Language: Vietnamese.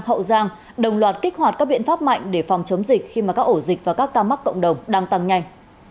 hậu giang đồng loạt kích hoạt các biện pháp mạnh để phòng chống dịch khi mà các ổ dịch và các ca mắc cộng đồng đang tăng nhanh